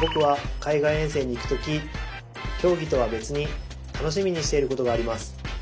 僕は海外遠征に行く時競技とは別に楽しみにしていることがあります。